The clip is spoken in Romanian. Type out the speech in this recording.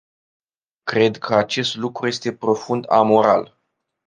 Cred că acest lucru este profund amoral.